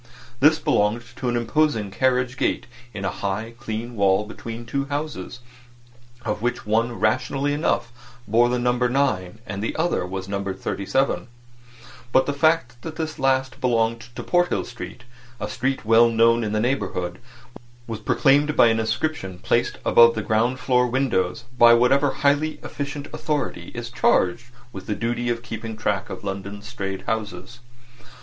This belonged to an imposing carriage gate in a high, clean wall between two houses, of which one rationally enough bore the number 9 and the other was numbered 37; but the fact that this last belonged to Porthill Street, a street well known in the neighbourhood, was proclaimed by an inscription placed above the ground floor windows by whatever highly efficient authority is charged with the duty of keeping track of London's strayed houses.